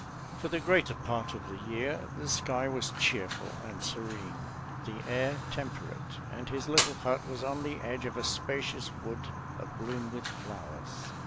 For the greater part of the year the sky was cheerful and serene, the air temperate and his little hut was on the edge of a spacious wood abloom with flowers.